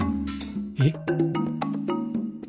えっ？